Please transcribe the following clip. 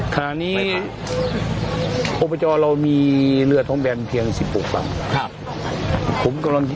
ถาดนี้อุปจรมีเรือท้องแบนเพียง๑๖ลำ